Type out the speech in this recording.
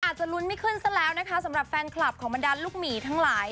อาจจะลุ้นไม่ขึ้นซะแล้วนะคะสำหรับแฟนคลับของบรรดาลูกหมีทั้งหลาย